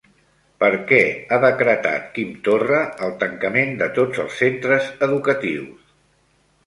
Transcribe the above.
Per què ha decretat Quim Torra el tancament de tots els centres educatius?